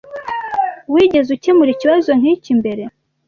Wigeze ukemura ikibazo nkiki mbere?